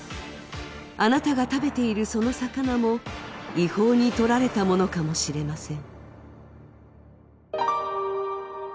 あなたが食べている、その魚も違法にとられたものかもしれません。